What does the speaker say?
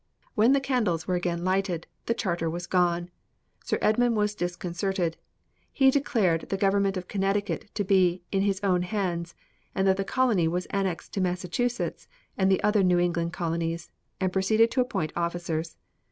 When the candles were again lighted, the charter was gone! Sir Edmund was disconcerted. He declared the government of Connecticut to be in his own hands, and that the colony was annexed to Massachusetts and the other New England colonies, and proceeded to appoint officers.